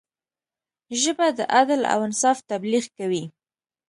ژبه د عدل او انصاف تبلیغ کوي